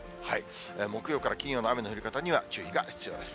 木曜から金曜の雨の降り方には注意が必要です。